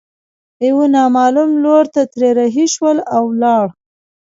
يوه نامعلوم لور ته ترې رهي شول او ولاړل.